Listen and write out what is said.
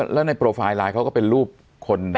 แล้วในโปรไฟล์ไลน์เขาก็เป็นรูปคน